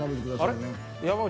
あれ？